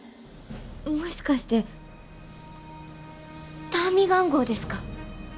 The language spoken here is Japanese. もしかしてターミガン号ですか？